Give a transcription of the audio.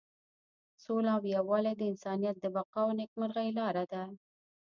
سوله او یووالی د انسانیت د بقا او نیکمرغۍ لاره ده.